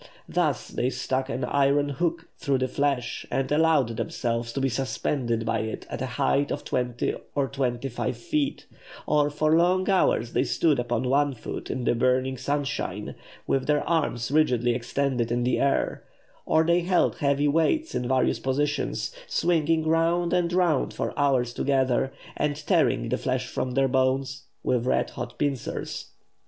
Thus they stuck an iron hook through the flesh, and allowed themselves to be suspended by it at a height of twenty or twenty five feet; or for long hours they stood upon one foot in the burning sunshine, with their arms rigidly extended in the air; or they held heavy weights in various positions, swinging round and round for hours together, and tearing the flesh from their bodies with red hot pincers.